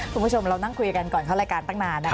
คุณผู้ชมเรานั่งคุยกันก่อนเข้ารายการตั้งนานนะคะ